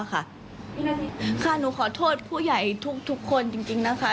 ค่ะหนูขอโทษผู้ใหญ่ทุกคนจริงนะคะ